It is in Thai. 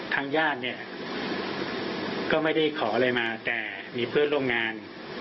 ทางญาติเนี่ยก็ไม่ได้ขออะไรมาแต่มีเพื่อนร่วมงาน